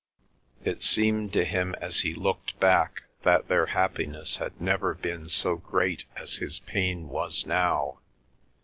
It seemed to him as he looked back that their happiness had never been so great as his pain was now.